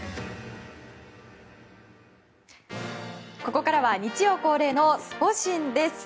ここからは日曜恒例のスポ神です。